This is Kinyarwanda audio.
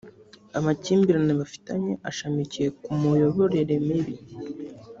amakimbirane bafitanye ashamikiye ku muyoborere mibi